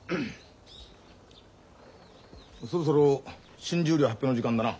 そろそろ新十両発表の時間だな。